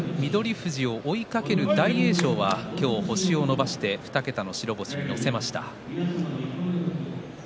富士を追いかける大栄翔は今日を星を伸ばして２桁の白星に乗せました。